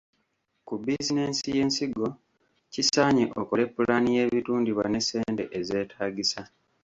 Ku bizinensi y’ensigo, kisaanye okole pulaani y’ebitundibwa ne ssente ezeetaagisa.